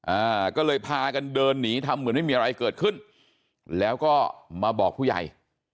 อ่าก็เลยพากันเดินหนีทำเหมือนไม่มีอะไรเกิดขึ้นแล้วก็มาบอกผู้ใหญ่